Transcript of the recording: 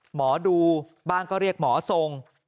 หมอดูบ้างก็เรียกหมอทรง